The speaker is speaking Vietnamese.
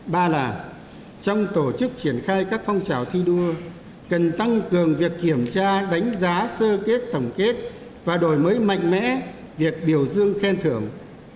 ba là trong tổ chức triển khai các phong trào thi đua cần tăng cường việc kiểm tra đánh giá sơ kết tổng kết và đổi mới mạnh mẽ việc biểu dương khen thưởng